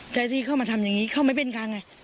แต่ที่เข้ามาทำอย่างนี้เขาไม่เป็นการไง